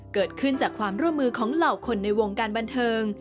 เกิดขึ้นจากความร่วมมือของเหล่าคนในวงการบันเทิง